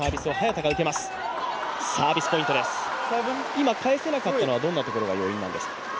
今、返せなかったところは、どんなところが要因なんですか？